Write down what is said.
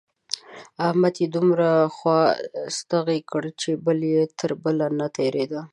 احمد يې دومره خوا ستغی کړ چې پل يې تر پله نه تېرېد.